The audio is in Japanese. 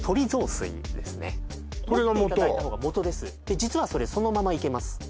実はそれそのままいけます